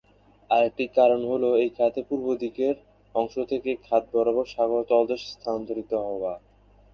আরেকটি কারণ হলো এই খাতের পূর্বদিকের অংশ থেকে খাত বরাবর সাগর তলদেশ স্থানান্তরিত হওয়া।